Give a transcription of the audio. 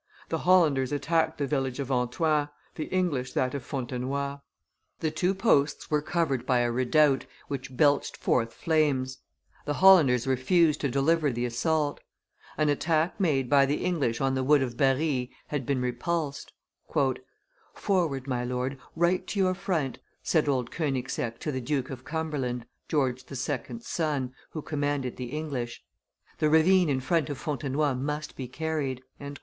The Hollanders attacked the village of Antoin, the English that of Fontenoy. The two posts were covered by a redoubt which belched forth flames; the Hollanders refused to deliver the assault. An attack made by the English on the wood of Barri had been repulsed. "Forward, my lord, right to your front," said old Konigseck to the Duke of Cumberland, George II.'s son, who commanded the English; "the ravine in front of Fontenoy must be carried."